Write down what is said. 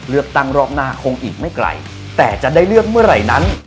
เลือกตั้งรอบหน้าคงอีกไม่ไกลแต่จะได้เลือกเมื่อไหร่นั้น